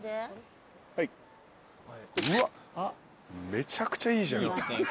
めちゃくちゃいいじゃん。